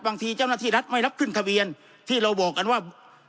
บางทีเจ้าหน้าที่รัฐไม่รับขึ้นทะเบียนที่เราบอกกันว่า